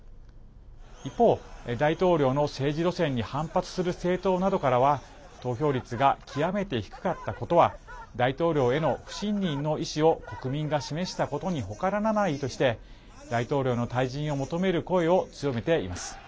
一方、大統領の政治路線に反発する政党などからは投票率が極めて低かったことは大統領への不信任の意思を国民が示したことに他ならないとして大統領の退陣を求める声を強めています。